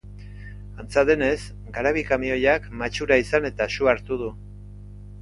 Antza denez, garabi-kamioiak matxura izan eta su hartu du.